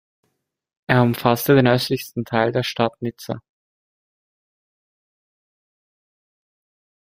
Er umfasste den östlichsten Teil der Stadt Nizza.